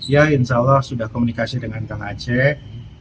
ya insya allah sudah komunikasi dengan kang aceh